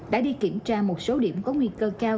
đã đi kiểm tra một số điểm có nguy cơ cao